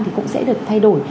thì cũng sẽ được thay đổi